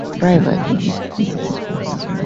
Pte.